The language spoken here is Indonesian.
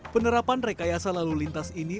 penerapan rekayasa lalu lintas ini